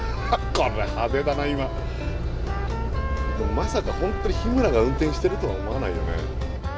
まさか本当に日村が運転してるとは思わないよね。